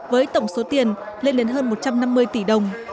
với tổng số tiền lên đến hơn một trăm năm mươi tỷ đồng